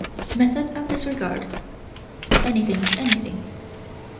Method of disregard: anything's anything.